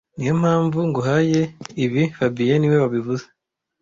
Niyo mpamvu nguhaye ibi fabien niwe wabivuze